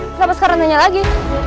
kenapa sekarang nanya lagi